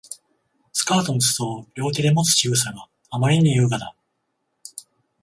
スカートの裾を両手でもつ仕草があまりに優雅だ